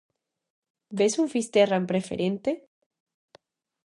Ves un Fisterra en Preferente?